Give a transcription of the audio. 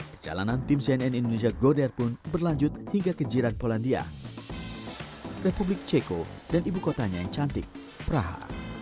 perjalanan tim cnn indonesia goder pun berlanjut hingga ke jiran polandia republik ceko dan ibu kotanya yang cantik praha